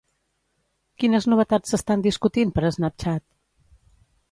Quines novetats s'estan discutint per Snapchat?